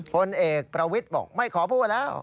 พลเอกประวิทย์บอกไม่ขอพูดแล้ว